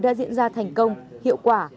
đã diễn ra thành công hiệu quả